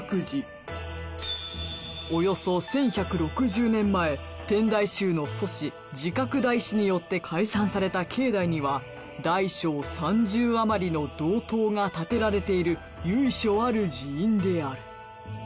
およそ１１６０年前天台宗の祖師慈覚大師によって開山された境内には大小３０あまりの堂塔が建てられている由緒ある寺院である。